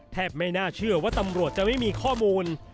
ไม่น่าเชื่อว่าตำรวจจะไม่มีข้อมูล